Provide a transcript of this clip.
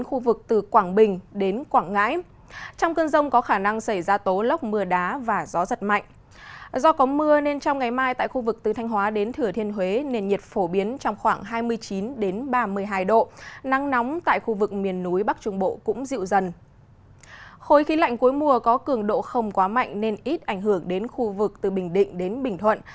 khối khí lạnh cuối mùa có cường độ không quá mạnh nên ít ảnh hưởng đến khu vực từ bình định đến bình thuận